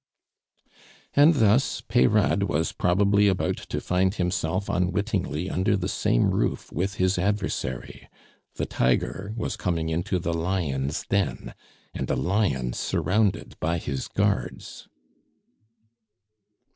And thus Peyrade was probably about to find himself unwittingly under the same roof with his adversary. The tiger was coming into the lion's den, and a lion surrounded by his guards.